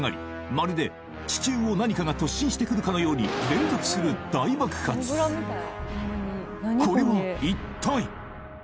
まるで地中を何かが突進してくるかのようにこれは一体？